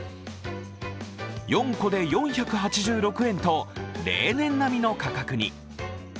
４個で４８６円と例年並みの価格に。